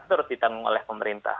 itu harus ditanggung oleh pemerintah